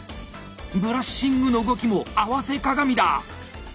ブラッシングの動きも合わせ鏡だ。